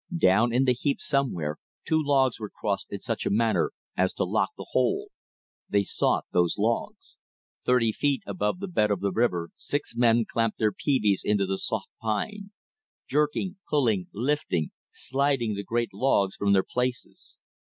Down in the heap somewhere, two logs were crossed in such a manner as to lock the whole. They sought those logs. Thirty feet above the bed of the river six men clamped their peaveys into the soft pine; jerking, pulling, lifting, sliding the great logs from their places.